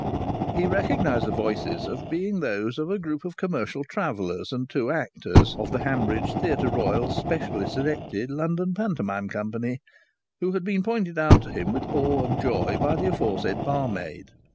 He recognized the voices as being those of a group of commercial travellers and two actors (of the Hanbridge Theatre Royal's specially selected London Pantomime Company), who had been pointed out to him with awe and joy by the aforesaid barmaid.